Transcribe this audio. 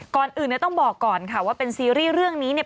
ก่อนอื่นเนี่ยต้องบอกก่อนค่ะว่าเป็นซีรีส์เรื่องนี้เนี่ย